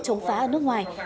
chống phá ở nước ngoài